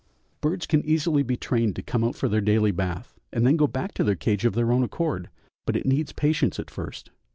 Birds can easily be trained to come out for their daily bath, and then go back to their cage of their own accord, but it needs patience at first.